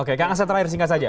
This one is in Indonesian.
oke kak asetrair singkat saja